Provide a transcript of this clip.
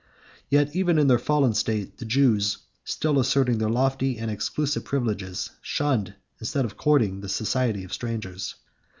Yet even in their fallen state, the Jews, still asserting their lofty and exclusive privileges, shunned, instead of courting, the society of strangers.